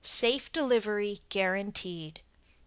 Safe delivery guaranteed.